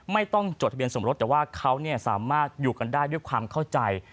จดทะเบียนสมรสแต่ว่าเขาสามารถอยู่กันได้ด้วยความเข้าใจ